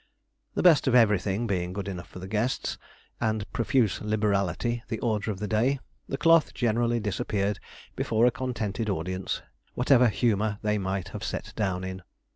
The best of everything being good enough for the guests, and profuse liberality the order of the day, the cloth generally disappeared before a contented audience, whatever humour they might have set down in.